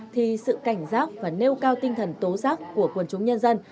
thì sự cảnh giác và nêu cao tinh thần tố giác của quần chúng nhân dân